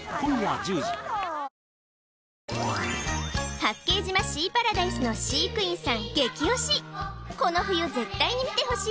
八景島シーパラダイスの飼育員さん激推しこの冬絶対に見てほしい！